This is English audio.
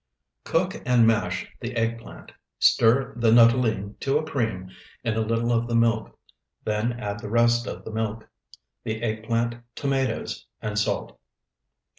Cook and mash the eggplant, stir the nuttolene to a cream in a little of the milk, then add the rest of the milk, the eggplant, tomatoes, and salt.